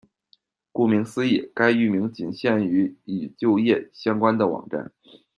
顾名思义，该域名仅限于与就业相关的网站。